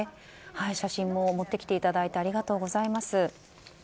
写真も持ってきていただいてありがとうございます。